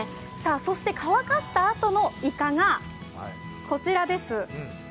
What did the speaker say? そして乾かしたあとのイカがこちらです